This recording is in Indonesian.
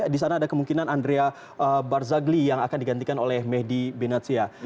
di sana ada kemungkinan andrea barzagli yang akan digantikan oleh mehdi benatsia